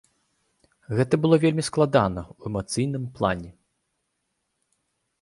Гэта было вельмі складана ў эмацыйным плане.